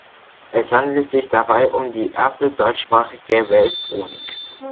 Es handelt sich dabei um die erste deutschsprachige Weltchronik.